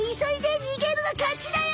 逃げるがかちだよ！